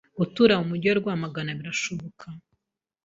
gutura mu mujyi wa Rwamagana birashoboka